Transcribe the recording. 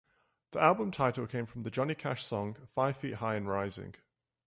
The album title came from the Johnny Cash song "Five Feet High and Rising".